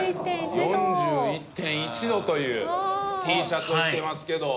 ４１．１度というＴシャツを着てますけど。